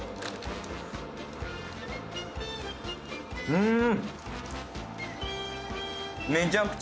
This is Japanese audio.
うん。